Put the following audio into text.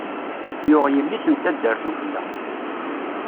Yuɣ yelli-s n taddart ufella.